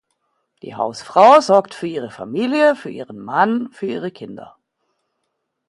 Die Hausfrau sorgt für ihre Familie, für ihren Mann, für ihre Kinder.